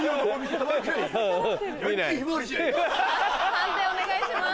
判定お願いします。